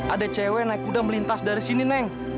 ada cewek naik kuda melintas dari sini neng